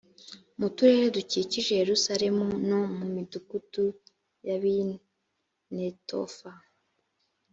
mu turere dukikije yerusalemu no mu midugudu y ab i netofa